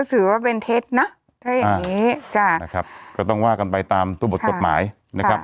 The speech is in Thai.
ถือว่าเป็นเทสนะก็ต้องว่ากันไปตามตู้บทกฎหมายนะครับ